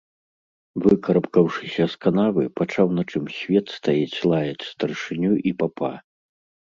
Выкарабкаўшыся з канавы, пачаў на чым свет стаіць лаяць старшыню і папа.